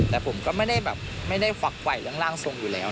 แต่ผมก็ไม่ได้ฝักไหวเรื่องร่างทรงอยู่แล้ว